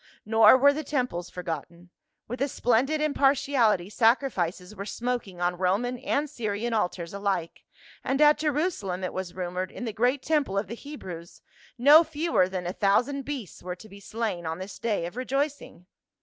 Nor were the temples forgotten ; with a splendid impartiality sacrifices were smoking on Roman and Syrian altars alike, and at Jerusalem, it was rumored, in the great temple of the Hebrews, no fewer than a thousand beasts were to be slain on this day of rejoicing.